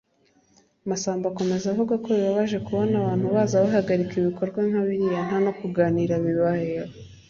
Masamba akomeza avuga ko bibabaje kubona abantu baza bagahagarika ibikorwa nka biriya nta no kuganira kubayeho